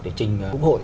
để trình hội